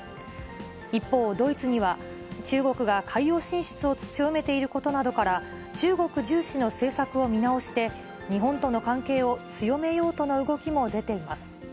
一方、ドイツには、中国が海洋進出を強めていることなどから、中国重視の政策を見直して、日本との関係を強めようとの動きも出ています。